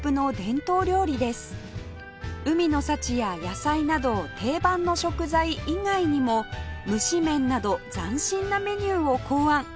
海の幸や野菜など定番の食材以外にも蒸し麺など斬新なメニューを考案